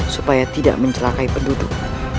supaya tidak mencelakai penduduk